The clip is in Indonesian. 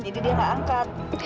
jadi dia nggak angkat